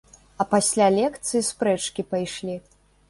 А пасля лекцыі спрэчкі пайшлі.